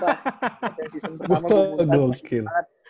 latihan pertama gue muntah masih banget